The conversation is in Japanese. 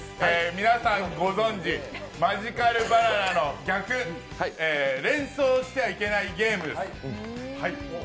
皆さんご存じ、「マジカルバナナ」の逆、連想してはいけないゲームです。